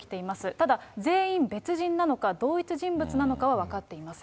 ただ、全員別人なのか、同一人物なのかは分かっていません。